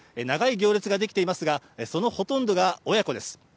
長い行列ができていますがそのほとんどが親子です。